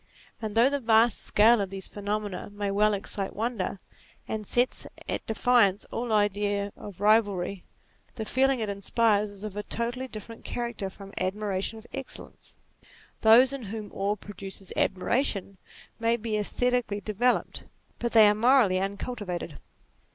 And though the vast scale of these pheno mena may well excite wonder, and sets at defiance all idea of rivalry, the feeling it inspires is of a totally different character from admiration of excellence. Those in whom awe produces admiration may be aesthetically developed, but they are morally uncul tivated.